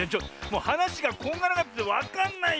はなしがこんがらがっててわかんないよ！